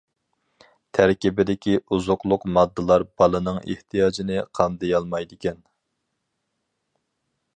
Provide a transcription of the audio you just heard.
تەركىبىدىكى ئوزۇقلۇق ماددىلار بالىنىڭ ئېھتىياجىنى قامدىيالمايدىكەن.